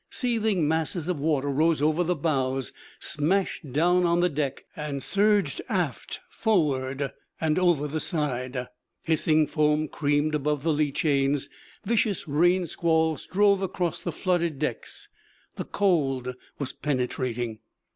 Seething masses of water rose over the bows, smashed down on the deck, and surged aft, forward, and over the side. Hissing foam creamed about the lee chains; vicious rain squalls drove across the flooded decks; the cold was penetrating.